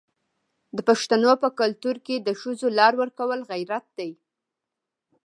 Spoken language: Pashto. د پښتنو په کلتور کې د ښځو لار ورکول غیرت دی.